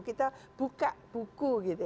kita buka buku